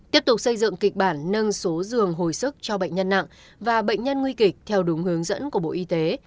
tiếp tục xây dựng kịch bản nâng số giường hồi sức cho bệnh nhân nặng và bệnh nhân nguy kịch theo đúng hướng dẫn của bộ y tế